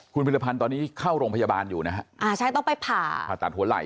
คุณพิรพันธ์ตอนนี้เข้าโรงพยาบาลอยู่นะฮะอ่าใช่ต้องไปผ่าผ่าตัดหัวไหล่